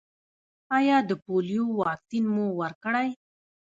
ایا د پولیو واکسین مو ورکړی؟